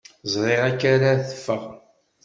Ẓriɣ akka ara teffeɣ.